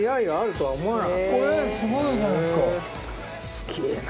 すげえな。